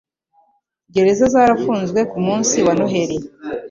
Gereza zarafunzwe kumunsi wa Noheri.